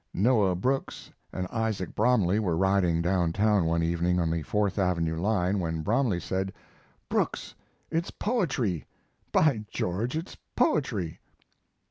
Noah Brooks and Isaac Bromley were riding down town one evening on the Fourth Avenue line, when Bromley said: "Brooks, it's poetry. By George, it's poetry!"